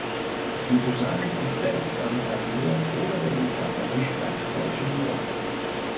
Sie begleitet sich selbst am Klavier oder der Gitarre und schreibt deutsche Lieder.